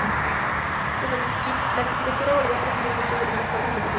La arquitectura volvió a presidir muchos de los trabajos de los ochenta.